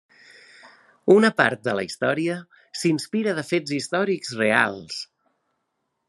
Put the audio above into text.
Una part de la història s'inspira de fets històrics reals.